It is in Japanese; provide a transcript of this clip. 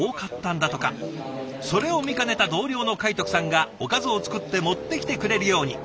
それを見かねた同僚の海徳さんがおかずを作って持ってきてくれるように。